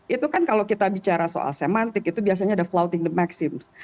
itu kan kalau kita bicara soal semantik itu biasanya ada floating the maxims